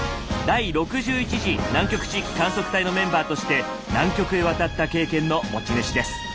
第６１次南極地域観測隊のメンバーとして南極へ渡った経験の持ち主です。